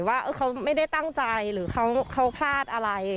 ว่าเขาไม่ได้ตั้งใจหรือเขาพลาดอะไร